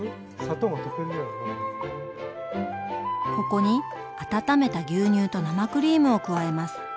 ここに温めた牛乳と生クリームを加えます。